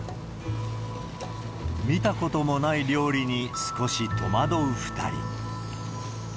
見たこともない料理に少し戸惑う２人。